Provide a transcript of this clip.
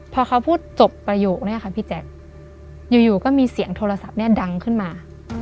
พอเขาพูดจบประโยคนะครับพี่แจ็คอยู่ก็มีเสียงโทรศัพท์ดังขึ้นมา